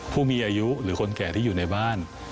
ผู้มีอายุหรือคนแก่ที่อยู่ในบ้าน